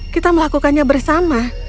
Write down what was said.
kita melakukannya bersama